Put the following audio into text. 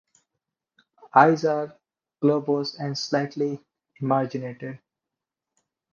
Eyes are globose and slightly emarginated.